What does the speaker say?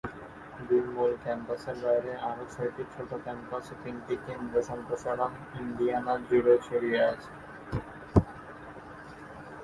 দুই মূল ক্যাম্পাসের বাইরে আরও ছয়টি ছোট ক্যাম্পাস ও তিনটি কেন্দ্র/সম্প্রসারণ ইন্ডিয়ানা জুড়ে ছড়িয়ে আছে।